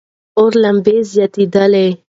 اور لمبې زیاتېدلې وې.